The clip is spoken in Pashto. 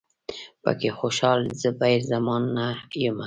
پکې خوشال، زبیر زمان نه یمه